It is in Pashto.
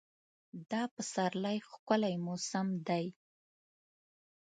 دا پسرلی ښکلی موسم دی.